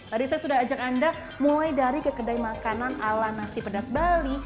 tadi saya sudah ajak anda mulai dari ke kedai makanan ala nasi pedas bali